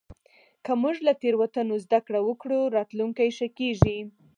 که موږ له تېروتنو زدهکړه وکړو، راتلونکی ښه کېږي.